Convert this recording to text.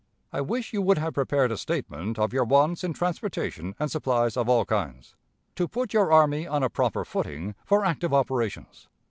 I wish you would have prepared a statement of your wants in transportation and supplies of all kinds, to put your army on a proper footing for active operations....